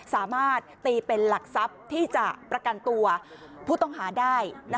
สามารถตีเป็นหลักทรัพย์ที่จะประกันตัวผู้ต้องหาได้